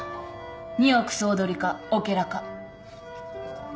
２億総取りかオケラか。